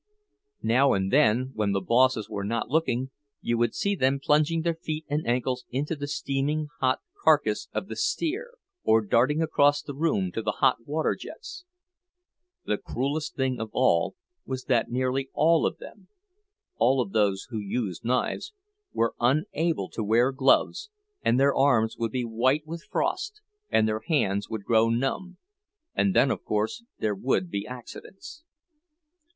Now and then, when the bosses were not looking, you would see them plunging their feet and ankles into the steaming hot carcass of the steer, or darting across the room to the hot water jets. The cruelest thing of all was that nearly all of them—all of those who used knives—were unable to wear gloves, and their arms would be white with frost and their hands would grow numb, and then of course there would be accidents.